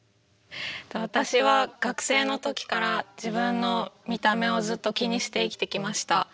私は学生の時から自分の見た目をずっと気にして生きてきました。